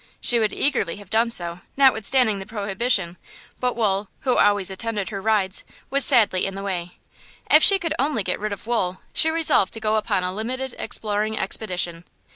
She would eagerly have done so, notwithstanding the prohibition; but Wool, who always attended her rides, was sadly in the way. If she could only get rid of Wool, she resolved to go upon a limited exploring expedition.